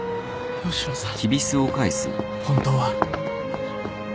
吉野さん！